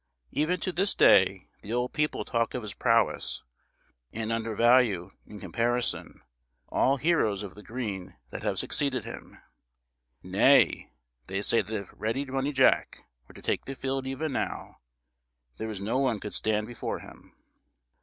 Even to this day the old people talk of his prowess, and undervalue, in comparison, all heroes of the green that have succeeded him; nay, they say that if Ready Money Jack were to take the field even now, there is no one could stand before him.